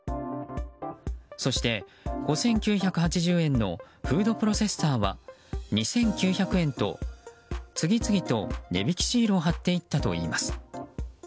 そして５９８０円のフードプロセッサーは２９００円と次々と値引きシールを貼っていったといいます。